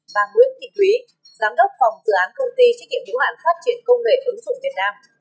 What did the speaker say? bà nguyễn thị quý giám đốc phòng tự án công ty trích kiệm vũ hạn phát triển công nghệ ứng dụng việt nam